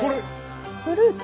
フルーツ？